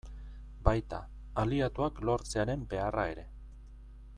Baita, aliatuak lortzearen beharra ere.